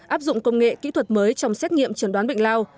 áp dụng công nghệ kỹ thuật mới trong xét nghiệm chẩn đoán bệnh lao